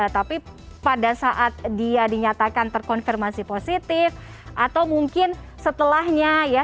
tapi pada saat dia dinyatakan terkonfirmasi positif atau mungkin setelahnya ya